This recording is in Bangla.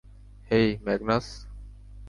হেই, ম্যাগনাস।